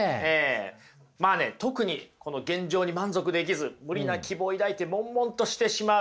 まあね特にこの現状に満足できず無理な希望抱いてもんもんとしてしまう。